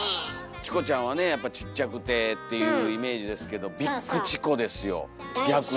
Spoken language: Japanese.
チコちゃんはねやっぱちっちゃくてっていうイメージですけど「ＢＩＧＣＨＩＣＯ」ですよ逆の。